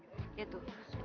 males banget ya